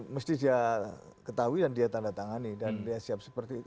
mesti dia ketahui dan dia tanda tangani dan dia siap seperti itu